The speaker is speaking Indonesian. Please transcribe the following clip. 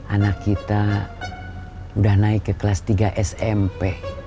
anak kita udah naik ke kelas tiga smp